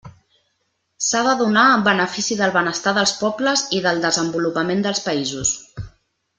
S'ha de donar en benefici del benestar dels pobles i del desenvolupament dels països.